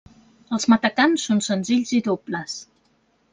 Els matacans són senzills i dobles.